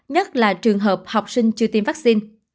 nhất là trường hợp học sinh chưa tiêm vaccine